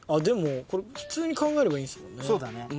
でもこれ普通に考えればいいんすもんね。